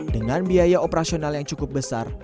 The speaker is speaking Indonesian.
dengan biaya operasional yang cukup besar